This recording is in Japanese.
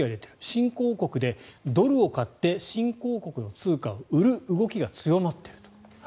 新興国でドルを買って新興国の通貨を売る動きが強まっていると。